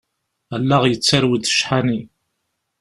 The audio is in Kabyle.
Allaɣ yettarew-d ccḥani.